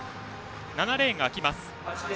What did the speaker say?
７レーンが空きます。